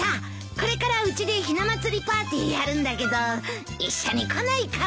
これからうちでひな祭りパーティーやるんだけど一緒に来ないか？